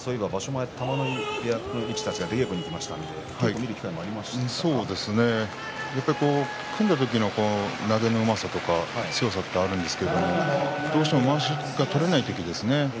前玉ノ井部屋の力士たちが出稽古をしましたのでそうですね組んだ時の投げのうまさや強さがあるんですけどどうしてもまわしが取れない時ですね